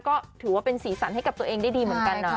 ก็ถือว่าเป็นสีสันให้กับตัวเองได้ดีเหมือนกันนะ